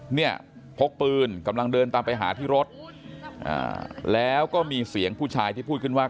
เนี่ยพกปืนกำลังเดินตามไปหาที่รถแล้วก็มีเสียงผู้ชายที่พูดขึ้นว่า